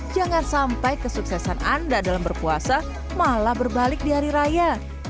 jangan sampai kesuksesan anda dalam berpuasa malah berbalik di hari raya